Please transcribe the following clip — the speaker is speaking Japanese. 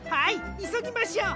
いそぎましょう。